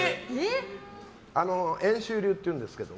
遠州流っていうんですけど。